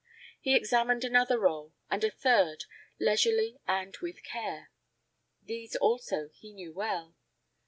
He examined another roll, and a third, leisurely and with care. These also he knew well.